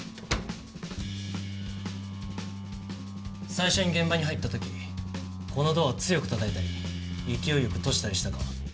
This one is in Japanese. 最初に現場に入った時このドアを強く叩いたり勢いよく閉じたりしたか？